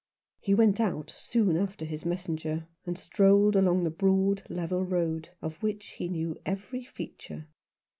He went out soon after his messenger, and strolled along the broad, level road, of which he knew every feature.